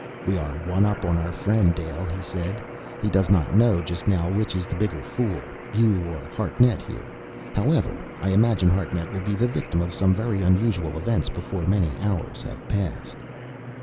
"We are one up on our friend, Dale," he said. "He does not know, just now, which is the bigger fool you or Hartnett here. However, I imagine Hartnett will be the victim of some very unusual events before many hours have passed!"